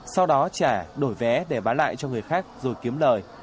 sau đó trả đổi vé để bán lại cho người khác rồi kiếm lời